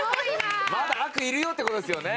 まだ悪いるよって事ですよね。